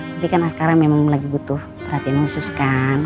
tapi kan sekarang memang lagi butuh perhatian khusus kan